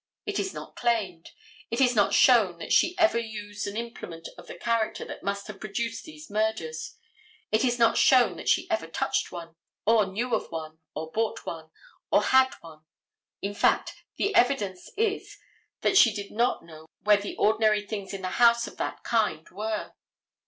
It is not claimed. It is not shown that she ever used an implement of the character that must have produced these murders. It is not shown that she ever touched one, or knew of one, or bought one, or had one. In fact, the evidence is that she did not know where the ordinary things in the house of that kind were.